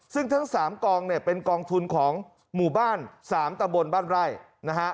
ซึ่งทั้ง๓กองเนี่ยเป็นกองทุนของหมู่บ้าน๓ตะบนบ้านไร่นะฮะ